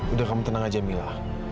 udah kamu tenang aja mila